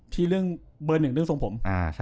ที่เรื่องเบอร์๑เรื่องทรงผม